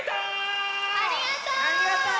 ありがとう！